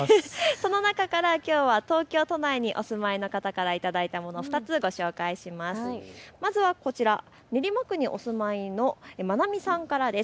その中からきょうは東京都内にお住まいの方から頂いたもの２つご紹介します。